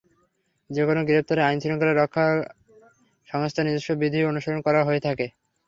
যেকোনো গ্রেপ্তারে আইনশৃঙ্খলা রক্ষা সংস্থার নিজস্ব বিধি অনুসরণ করা হয়ে থাকে।